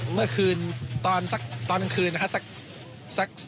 เมื่อคืนตอนกลางคืนนะครับ